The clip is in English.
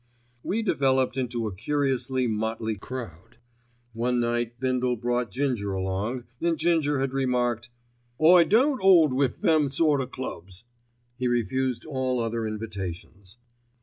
We developed into a curiously motley crowd. One night Bindle brought Ginger along, and Ginger had remarked "I don't 'old wiv them sort o' clubs." He refused all other invitations.